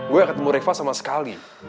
gue gak ketemu riva sama sekali